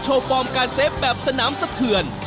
ฟอร์มการเซฟแบบสนามสะเทือน